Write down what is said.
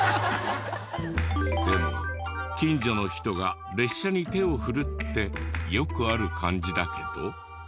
でも近所の人が列車に手を振るってよくある感じだけど。